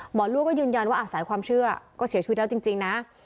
ลูกก็ยืนยันว่าสายความเชื่อก็เสียชีวิตแล้วจริงนะ